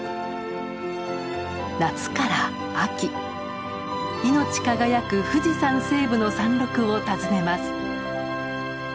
夏から秋命輝く富士山西部の山麓を訪ねます。